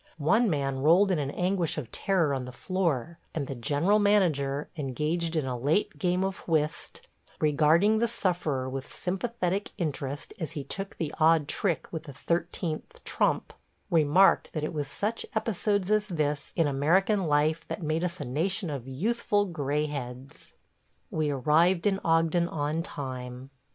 One man rolled in an anguish of terror on the floor; and the General Manager, engaged in a late game of whist, regarding the sufferer with sympathetic interest as he took the odd trick with the thirteenth trump, remarked that it was such episodes as this in American life that made us a nation of youthful gray heads. We arrived in Ogden on time.